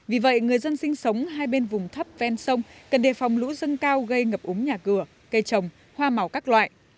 vì vậy người dân sinh sống hai bên vùng thấp ven sông cần đề phòng lũ dâng cao gây ngập úng nhà cửa cây trồng hoa màu các loại